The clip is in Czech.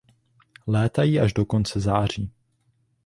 Létají až do konce září.